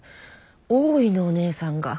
多いのお姉さんが。